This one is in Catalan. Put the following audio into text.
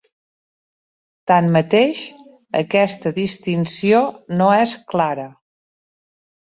Tanmateix, aquesta distinció no és clara.